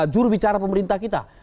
jurubicara pemerintah kita